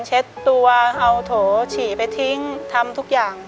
เช็ดตัวเอาโถฉี่ไปทิ้งทำทุกอย่าง